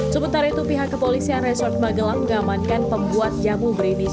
sementara itu pihak kepolisian resort magelang mengamankan pembuat jamu berinisial